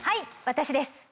私です。